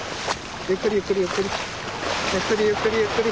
ゆっくりゆっくりゆっくり。